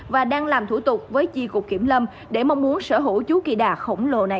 và đang làm thủ tục với chi cục kiểm lâm để mong muốn sở hữu chú kỳ đà khổng lồ này